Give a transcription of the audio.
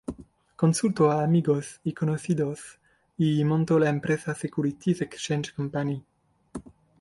Consultó a amigos y conocidos y montó la empresa Securities Exchange Company.